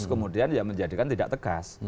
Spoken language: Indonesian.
kemudian menjadikan tidak tegas